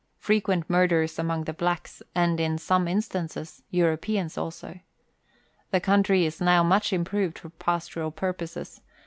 Frequent murders among the blacks, and, in some instances, Europeans also. The country is now much improved for pastoral purposes.